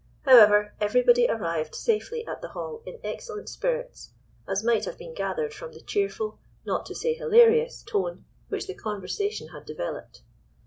However, everybody arrived safely at the Hall in excellent spirits, as might have been gathered from the cheerful, not to say hilarious, tone which the conversation had developed.